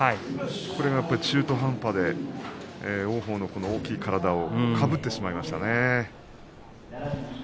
これが中途半端で王鵬の大きい体をかぶってしまいましたね。